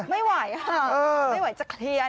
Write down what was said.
ไม่ไหวไม่ไหวจะเกลียน